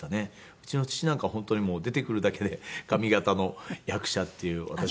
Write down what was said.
うちの父なんかは本当にもう出てくるだけで上方の役者っていう私もわかるんですけども。